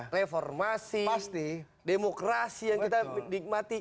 reformasi demokrasi yang kita nikmati